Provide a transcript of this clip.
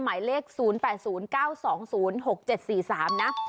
หมายเลข๐๘๐๙๒๐๖๗๔๓นะ